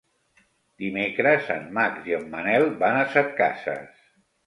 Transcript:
Dimecres en Max i en Manel van a Setcases.